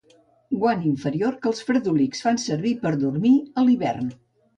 Guant inferior que els fredolics fan servir per dormir, a l'hivern.